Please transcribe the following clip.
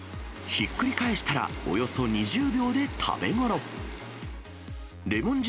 ひっくり返したら、およそ２０秒で食べごろ。